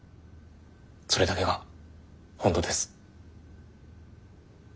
それだけが本当です。